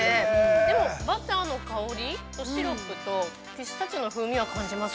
でもバターの香りとシロップとピスタチオの風味は感じます。